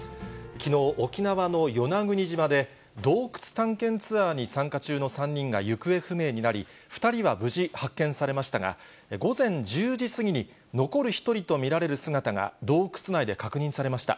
きのう、沖縄の与那国島で洞窟探検ツアーに参加中の３人が行方不明になり、２人は無事発見されましたが、午前１０時過ぎに残る１人と見られる姿が洞窟内で確認されました。